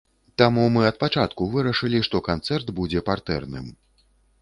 Таму мы ад пачатку вырашылі, што канцэрт будзе партэрным.